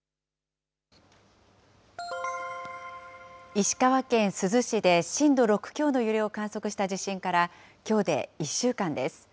石川県珠洲市で、震度６強の揺れを観測した地震からきょうで１週間です。